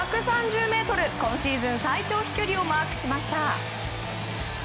今シーズン最長飛距離をマークしました。